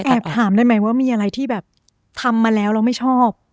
แอบถามได้ไหมว่ามีอะไรที่แบบทำมาแล้วแล้วไม่ชอบ